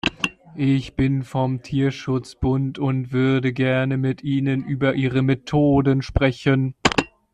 Ich bin vom Tierschutzbund und würde gerne mit Ihnen über Ihre "Methoden" sprechen.